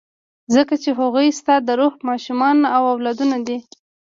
ځکه چې هغوی ستا د روح ماشومان او اولادونه دي.